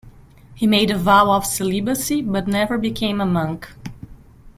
He made a vow of celibacy, but never became a monk.